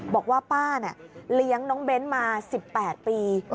บอกว่าป้าเลี้ยงน้องเบ้นมา๑๘ปี